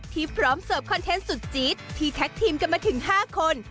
พร้อมเสิร์ฟคอนเทนต์สุดจี๊ดที่แท็กทีมกันมาถึง๕คน